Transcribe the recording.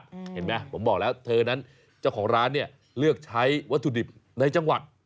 เห็นไหมผมบอกแล้วเธอนั้นเจ้าของร้านเนี่ยเลือกใช้วัตถุดิบในจังหวัด